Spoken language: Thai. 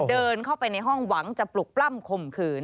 เดินเข้าไปในห้องหวังจะปลุกปล้ำข่มขืน